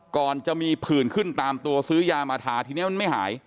ก่อนจะมีผื่นขึ้นตามตัวซื้อยามาทาทีนี้มันไม่หาย